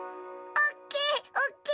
おっきい！